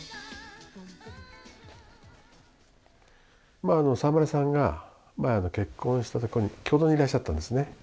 まあ沢村さんが結婚したとこに経堂にいらっしゃったんですね。